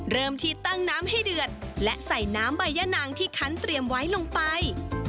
เริ่มที่ตั้งน้ำให้เดือดและใส่น้ำใบยะนางที่คันเตรียมไว้ลงไป